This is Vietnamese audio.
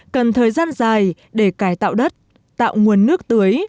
cần thời gian dài để cải tạo đất tạo nguồn nước tưới